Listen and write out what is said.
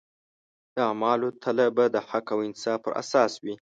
د اعمالو تله به د حق او انصاف پر اساس وي.